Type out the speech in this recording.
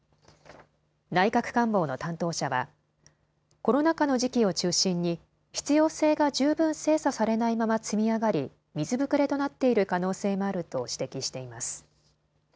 内閣官房の担当者はコロナ禍の時期を中心に必要性が十分精査されないまま積み上がり水ぶくれとなっている可能性もあると指摘しています。